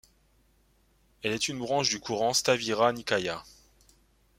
Elle est une branche du courant sthavira nikāya.